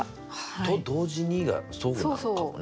「と、同時に」がそうなのかもね。